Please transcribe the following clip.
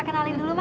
kenalin dulu ma